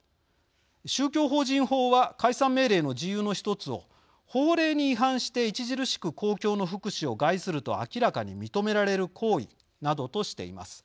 宗教法人法は解散命令の事由の１つを法令に違反して著しく公共の福祉を害すると明らかに認められる行為などとしています。